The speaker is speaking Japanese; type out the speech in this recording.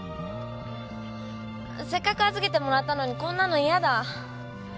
せっかく預けてもらったのにこんなの嫌だ。